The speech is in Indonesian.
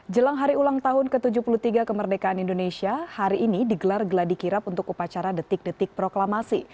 jelang hari ulang tahun ke tujuh puluh tiga kemerdekaan indonesia hari ini digelar geladi kirap untuk upacara detik detik proklamasi